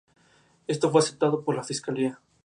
Las versiones más básicas carecían de todos estos elementos.